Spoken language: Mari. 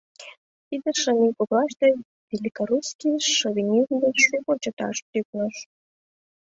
Тиде шым ий коклаште великорусский шовинизм деч шуко чыташ тӱкныш.